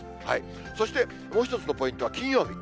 そしてもう一つのポイントは金曜日。